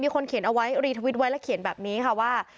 คนเขียนเอาไว้รีทวิตไว้แล้วเขียนแบบนี้ค่ะว่า